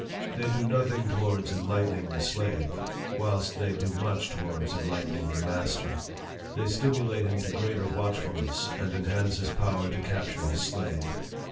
They do nothing towards en lightening the slave, whilst they do much towards en lightening the master. They stimulate him to greater watchfulness, and enhance his power to capture his slave.